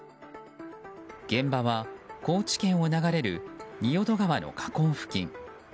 現場は高知県を流れる仁淀川の河口付近。